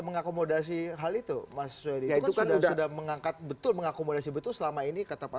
mengakomodasi hal itu masih ada sudah mengangkat betul mengakomodasi betul selama ini kata pak